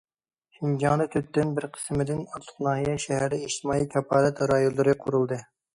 شىنجاڭدا تۆتتىن بىر قىسىمدىن ئارتۇق ناھىيە، شەھەردە ئىجتىمائىي كاپالەت رايونلىرى قۇرۇلدى.